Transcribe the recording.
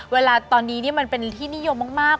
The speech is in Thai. เวลาตอนนี้มันเป็นที่นิยมมาก